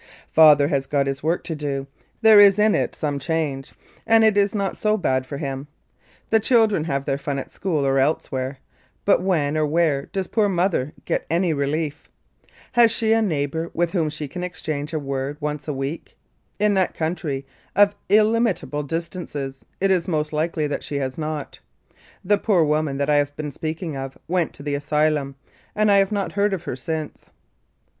Father has got his work to do, there is in it some change, and it is not so bad for him. The children have their fun at school or elsewhere, but when or where does poor Mother get any relief ? Has she a neighbour with whom she can exchange a word once a week? In that country of illimitable distances it is most likely that she has not. The poor woman that I have been speaking of went to the asylum, and I have not heard of her since.